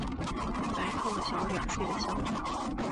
白胖的小脸睡的香沉